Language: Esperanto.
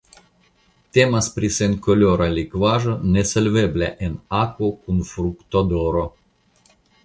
Temas pri senkolora likvaĵo nesolvebla en akvo kun fruktodoro.